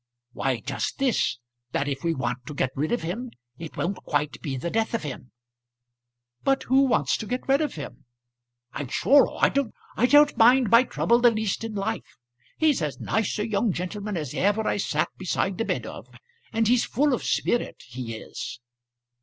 "Why, just this: that if we want to get rid of him, it won't quite be the death of him." "But who wants to get rid of him?" "I'm sure I don't. I don't mind my trouble the least in life. He's as nice a young gentleman as ever I sat beside the bed of; and he's full of spirit he is."